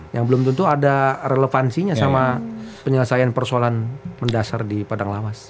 yang belum tentu ada relevansinya sama penyelesaian persoalan mendasar di padang lawas